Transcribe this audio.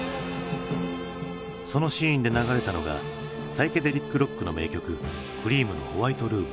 そのシーンで流れたのがサイケデリック・ロックの名曲クリームの「ＷｈｉｔｅＲｏｏｍ」。